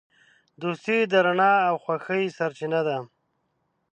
دوستي د رڼا او خوښۍ سرچینه ده.